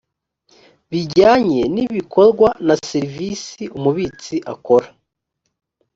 bijyanye n ibikorwa na serivisi umubitsi akora